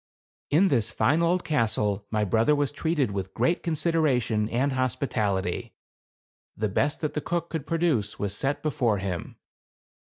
In this fine old castle my brother was treated with great consideration and hospitality ; the best that the cook could produce was set before him.